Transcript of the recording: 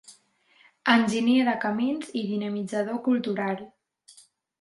Enginyer de camins i dinamitzador cultural.